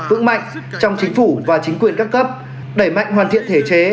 vững mạnh trong chính phủ và chính quyền các cấp đẩy mạnh hoàn thiện thể chế